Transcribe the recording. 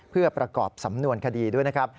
เพื่อประกอบสำนวนคดีด้วยนะครับ